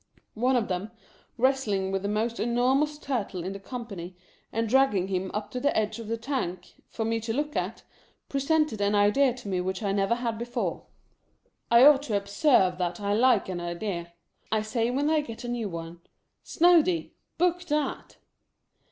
One of them, wrestling with the most enormous Turtle in company, and dragging him up to the edge of the tank, for me to look at, presented an idea to me which I never had before. I ought to ob LIVELY TURTLE. 251 serve that I like an idea. I say, when I get a new one, "Snoady, book that!"